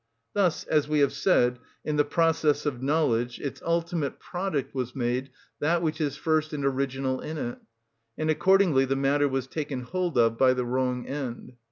Thus, as we have said, in the process of knowledge, its ultimate product was made that which is first and original in it, and accordingly the matter was taken hold of by the wrong end.